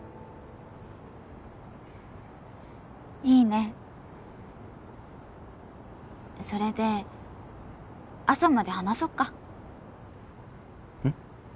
いいねそれで朝まで話そっかうん？